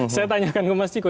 saya tanyakan ke mas ciko